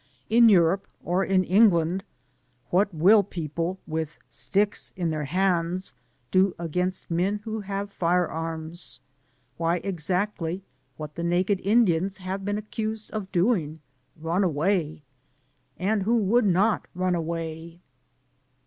In Europe, or in England, what will people, with sticks in their hands, do against men who hav^ fire arms ? Why exactly what the naked Indians have been accused <rf d<^g — ^run away.— And who would not run away?